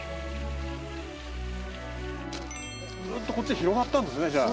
ずっとこっちへ広がったんですねじゃあ。